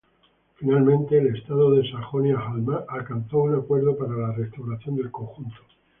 Finalmente el Estado de Sajonia-Anhalt alcanzó un acuerdo para la restauración del conjunto.